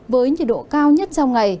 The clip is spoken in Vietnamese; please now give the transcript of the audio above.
với nhiệt độ cao nhất trong ngày